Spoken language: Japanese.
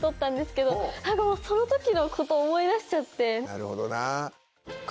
なるほどな。